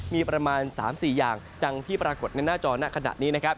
มีประมาณ๓๔อย่างดังที่ปรากฏในหน้าจอหน้าขณะนี้นะครับ